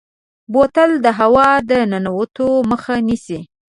بوتل د هوا د ننوتو مخه نیسي.